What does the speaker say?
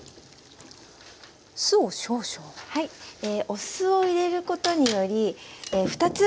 お酢を入れることにより２つ